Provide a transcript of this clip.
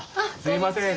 すいません。